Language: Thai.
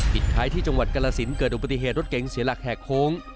ท้ายที่จังหวัดกรสินเกิดอุบัติเหตุรถเก๋งเสียหลักแหกโค้ง